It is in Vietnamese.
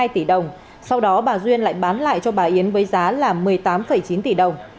hai tỷ đồng sau đó bà duyên lại bán lại cho bà yến với giá là một mươi tám chín tỷ đồng